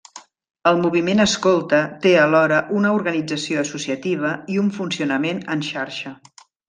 El moviment escolta té alhora una organització associativa i un funcionament en xarxa.